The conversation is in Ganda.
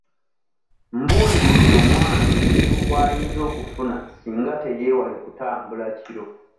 Mbuuliridde omwana ku buzibu bw'ayinza okufuna singa teyeewale kutambula kiro.